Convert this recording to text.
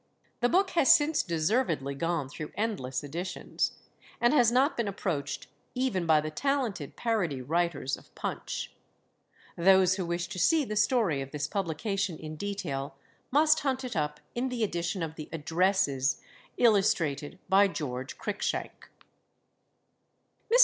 The book has since deservedly gone through endless editions, and has not been approached even by the talented parody writers of Punch. Those who wish to see the story of this publication in detail, must hunt it up in the edition of the Addresses illustrated by George Cruickshank. Mr.